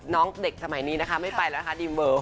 น้องเด็กสมัยนี้ไม่ไปแล้วนะคะดิมเวอร์